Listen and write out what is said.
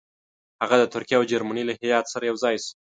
هغه د ترکیې او جرمني له هیات سره یو ځای شو.